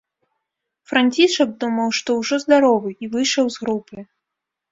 Францішак думаў, што ўжо здаровы, і выйшаў з групы.